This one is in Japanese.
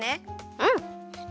うん。